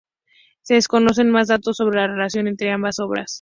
Se desconocen más datos sobre la relación entre ambas obras.